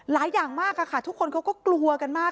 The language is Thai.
อย่างมากค่ะทุกคนเขาก็กลัวกันมาก